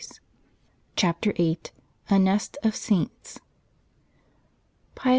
44 CHAPTER VIII A NEST OF SAINTS Pius IV.